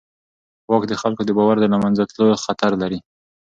واک د خلکو د باور د له منځه تلو خطر لري.